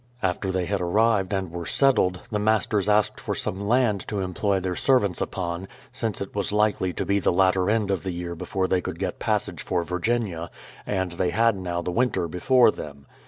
After they had arrived and were settled, the masters asked for some land to employ their servants upon, since it was likely to be the latter end of the year before they could get passage for Virginia, and they had now the winter before them.